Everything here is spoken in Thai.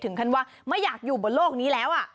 ขั้นว่าไม่อยากอยู่บนโลกนี้แล้ว